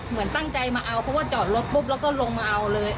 เหมือนตั้งใจมาเอาเพราะว่าจอดรถปุ๊บแล้วก็ลงมาเอาเลย